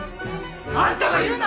あんたが言うな！